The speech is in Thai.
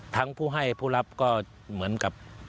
ผู้ให้ผู้รับก็เหมือนกับ